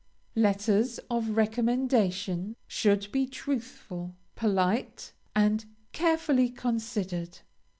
LETTERS OF RECOMMENDATION should be truthful, polite, and carefully considered.